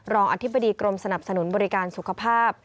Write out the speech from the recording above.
อธิบดีกรมสนับสนุนบริการสุขภาพ